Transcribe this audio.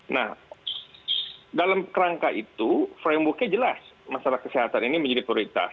nah dalam kerangka itu frameworknya jelas masalah kesehatan ini menjadi prioritas